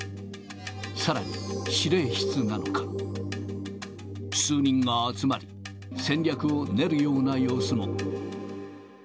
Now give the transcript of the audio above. さらに、司令室なのか、数人が集まり、戦略を練るような様子も。